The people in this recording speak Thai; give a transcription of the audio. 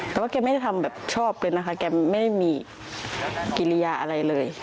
แต่ว่าแกไม่ได้ทำแบบชอบเลยนะคะแกไม่ได้มีกิริยาอะไรเลย